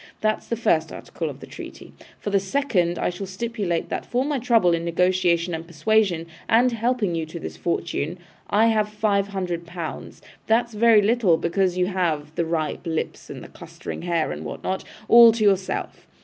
That's the first article of the treaty. For the second, I shall stipulate that for my trouble in negotiation and persuasion, and helping you to this fortune, I have five hundred pounds. That's very little, because you have the ripe lips, and the clustering hair, and what not, all to yourself.